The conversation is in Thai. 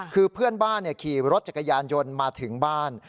คือเพื่อนบ้านขี่รถจักรยานยนต์มาถึงบ้าน